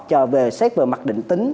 cho về xét về mặt định tính